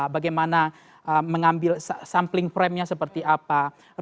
bagaimana mengambil sampling frame nya seperti apa